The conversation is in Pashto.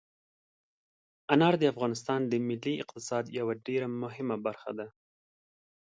انار د افغانستان د ملي اقتصاد یوه ډېره مهمه برخه ده.